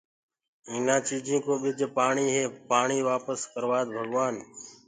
اٚينآ چيٚجينٚ ڪو ٻج پآڻيٚ هي پآڻيٚ وآپس ڪرَوآد ڀگوآن